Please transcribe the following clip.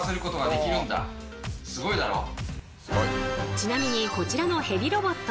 ちなみにこちらのヘビロボット